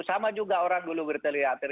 sama juga orang dulu bertelur telur